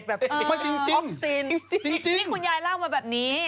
ใช่ที่คุณยายเล่ามาแบบนี้